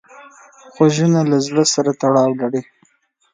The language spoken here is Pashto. غوږونه له زړه سره تړاو لري